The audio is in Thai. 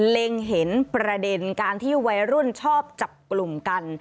เล็งเห็นประเด็นการที่วัยรุ่นชอบจับกลุ่มกัน